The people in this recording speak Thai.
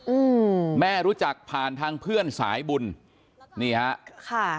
อืมแม่รู้จักผ่านทางเพื่อนสายบุญนี่ฮะค่ะ